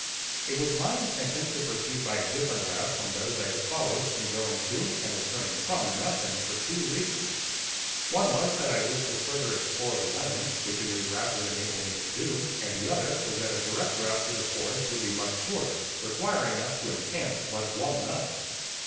It was my intention to proceed by a different route from those I had followed in going to and returning from the mountain, for two reasons. One was that I wished to further explore the island, which a new route would enable me to do, and the other was that a direct route through the forest would be much shorter, requiring us to encamp but one night.